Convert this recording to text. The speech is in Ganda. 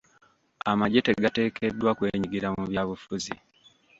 Amagye tegateekeddwa kwenyigira mu byabufuzi.